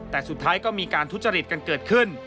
แต่สุดท้ายก็มีการทุจริตกันเกิดขึ้น